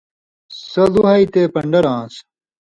(سو لُوہہۡ ییۡ تے پن٘ڈر آن٘س).